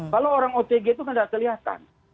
kalau orang otg itu kan tidak kelihatan